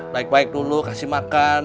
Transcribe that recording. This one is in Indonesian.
naik baik dulu kasih makan